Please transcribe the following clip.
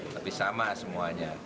tapi sama semuanya